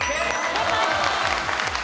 正解。